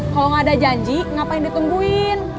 kalau nggak ada janji ngapain ditungguin